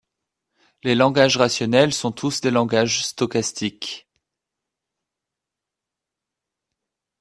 Les langages rationnels sont tous des langages stochastiques.